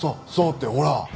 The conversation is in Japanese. ってほら！